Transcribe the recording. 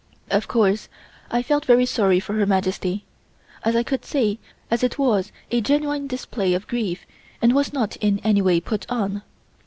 Of course I felt very sorry for Her Majesty, as I could see that it was a genuine display of grief and was not in any way put on.